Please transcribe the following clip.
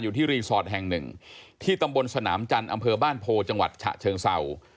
อยู่ที่รีสอร์ทแห่งหนึ่งที่ตำบลสนามจันทร์อำเภอบ้านโพจังหวัดฉะเชิงเศร้า